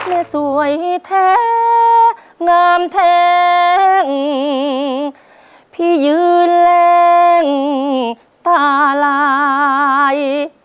สวยแท้งามแท้งพี่ยืนแรงตาลาย